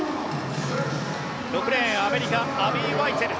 ６レーンアメリカのアビー・ワイツェル。